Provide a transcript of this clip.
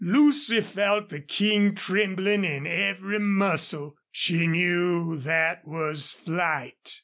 Lucy felt the King trembling in every muscle. She knew that was flight.